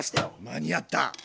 間に合った！